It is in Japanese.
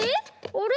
あれ？